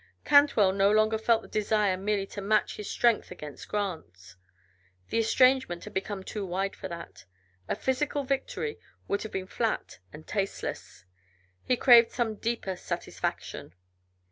Cantwell no longer felt the desire merely to match his strength against Grant's; the estrangement had become too wide for that; a physical victory would have been flat and tasteless; he craved some deeper satisfaction.